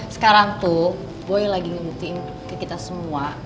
sekarang tuh boy lagi ngebutin ke kita semua